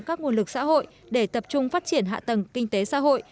các nguồn lực xã hội để tập trung phát triển hạ tầng kinh tế xã hội